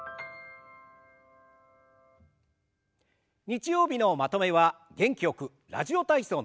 日曜日のまとめは元気よく「ラジオ体操」の「第２」を行います。